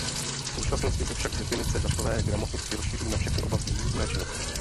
V současnosti se však definice datové gramotnosti rozšiřují na všechny oblasti výzkumné činnosti.